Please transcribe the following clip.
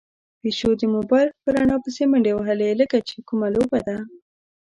پيشو د موبايل په رڼا پسې منډې وهلې، لکه چې کومه لوبه ده.